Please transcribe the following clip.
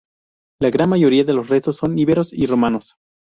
La gran mayoría de los restos son iberos y romanos.